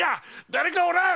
誰かおらん！